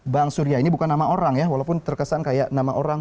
bang surya ini bukan nama orang ya walaupun terkesan kayak nama orang